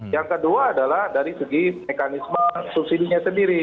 yang kedua adalah dari segi mekanisme subsidi nya sendiri